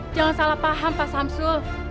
jangan salah paham pak samsul